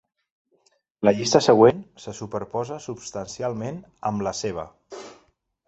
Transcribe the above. La llista següent se superposa substancialment amb la seva.